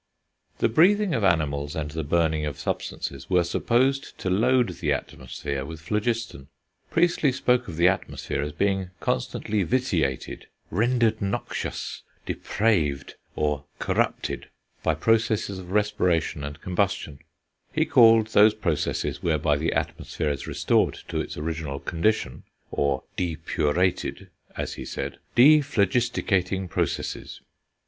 The breathing of animals and the burning of substances were supposed to load the atmosphere with phlogiston. Priestley spoke of the atmosphere as being constantly "vitiated," "rendered noxious," "depraved," or "corrupted" by processes of respiration and combustion; he called those processes whereby the atmosphere is restored to its original condition (or "depurated," as he said), "dephlogisticating processes."